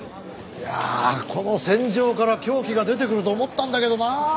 いやあこの線上から凶器が出てくると思ったんだけどなあ。